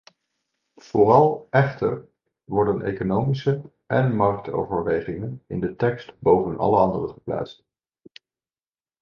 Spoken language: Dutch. Vooral echter worden economische en marktoverwegingen in de tekst boven alle andere geplaatst.